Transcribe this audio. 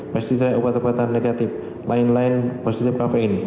persisida obat obatan negatif lain lain positif kafein